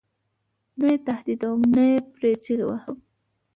نه یې تهدیدوم نه پرې چغې وهم.